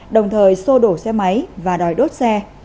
đồng thời sô đổ xe máy và đòi đốt xe